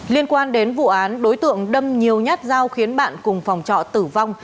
liên quan đến vụ án đối tượng đâm nhiều nhát dao khiến bạn cùng phòng trọ tử vong